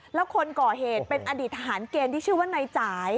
แล้วคนก่อเหตุเป็นอดีตทหารเกณฑ์ที่ชื่อว่านายจ่าย